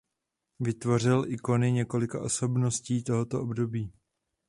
Vytvořil ikony několika osobností tohoto období.